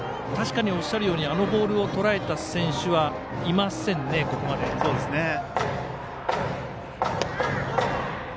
確かにおっしゃるようにあのボールをとらえた選手はここまでいませんね。